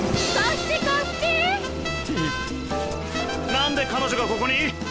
何で彼女がここに？